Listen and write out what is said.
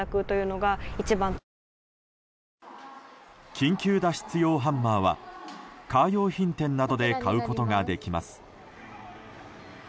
緊急脱出用ハンマーはカー用品店などで買うことができます。